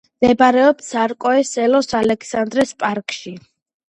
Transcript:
მდებარეობს ცარსკოე-სელოს ალექსანდრეს პარკში.